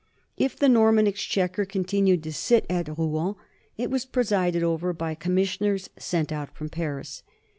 If the Norman exchequer continued to sit at Rouen, it was presided over by commissioners sent out from Paris.